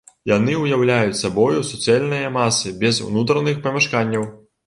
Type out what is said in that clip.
Яны ўяўляюць сабою суцэльныя масы без унутраных памяшканняў.